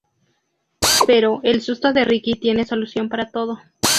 Pero, el astuto de Ricky tiene solución para todo...